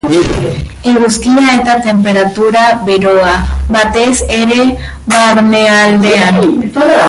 Eguzkia eta tenperatura beroa, batez ere barnealdean.